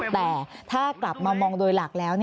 แต่ถ้ากลับมามองโดยหลักแล้ว